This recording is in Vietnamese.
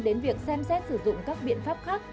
đến việc xem xét sử dụng các biện pháp khác